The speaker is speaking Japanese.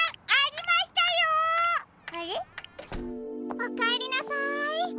おかえりなさい。